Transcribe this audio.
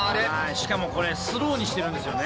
しかもこれスローにしてるんですよね。